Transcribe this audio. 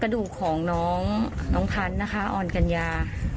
กระดูกของน้องน้องพันธ์นะคะอ่อนกันยา